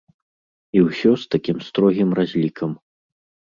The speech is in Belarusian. І ўсё з такім строгім разлікам.